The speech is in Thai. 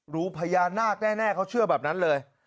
รู้พญานาคแน่เขาเชื่อแบบนั้นเลย